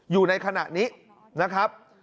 อยู่ในขณะนี้นะครับ